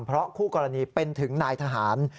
เพราะคู่กรณีเป็นถึงนายทหาร